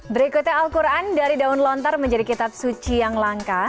berikutnya al quran dari daun lontar menjadi kitab suci yang langka